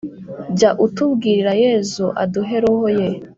jya utubwirira yezu aduhe roho ye